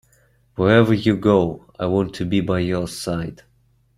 Wherever you go, I want to be by your side.